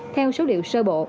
theo số liệu sơ bộ